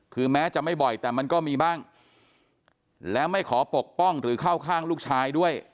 คือแม้จะไม่บ่อยแต่มันก็มีบ้างและไม่ขอปกป้องหรือเข้าข้างลูกชายด้วย